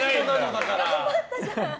頑張ったじゃん。